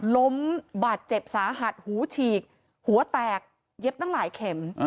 ล้มบาดเจ็บสาหัสหูฉีกหัวแตกเย็บตั้งหลายเข็ม